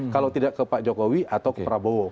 kalau tidak ke pak jokowi atau ke prabowo